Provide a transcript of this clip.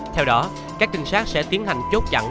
theo đó các trinh sát sẽ tiến hành chốt chặn